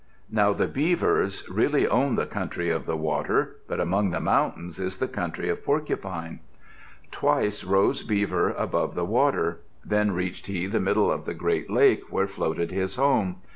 Now the Beavers really own the country of the water, but among the mountains is the country of Porcupine. Twice rose Beaver above the water. Then reached he the middle of the great lake where floated his home.